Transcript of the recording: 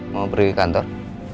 mau pergi kantor